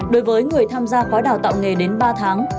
đối với người tham gia khóa đào tạo nghề đến ba tháng